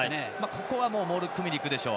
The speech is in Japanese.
ここはモール組みに行くでしょう。